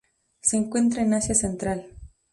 Se encuentra en Asia central.